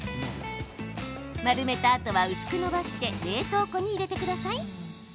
丸めたあとは薄くのばして冷凍庫に入れてください。